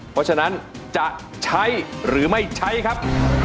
เพราะฉะนั้นจะใช้หรือไม่ใช้ครับ